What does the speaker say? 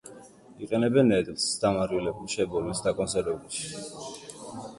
იყენებენ ნედლს, დამარილებულს, შებოლილს, დაკონსერვებულს.